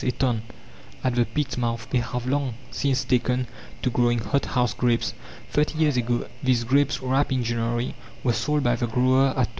a ton at the pit's mouth, they have long since taken to growing hot house grapes. Thirty years ago these grapes, ripe in January, were sold by the grower at 20s.